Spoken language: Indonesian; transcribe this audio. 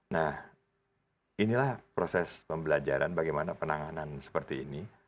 nah inilah proses pembelajaran bagaimana penanganan seperti ini